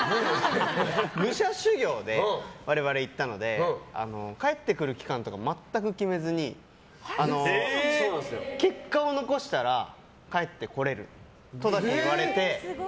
武者修行で我々、行ったので帰ってくる期間とか全く決めずに結果を残したら帰ってこれるとだけ言われて。